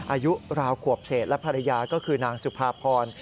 อายุราวขวบเศษและภรรยาก็คือนางสุภาพร